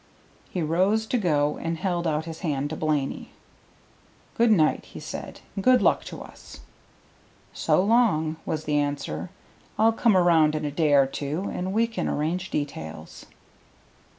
He rose to go and held out his hand to Blaney. "Good night," he said, "and good luck to us." "So long," was the answer. "I'll come around in a day or two, and we can arrange details."